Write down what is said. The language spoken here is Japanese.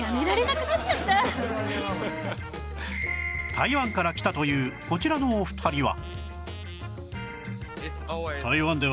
台湾から来たというこちらのお二人は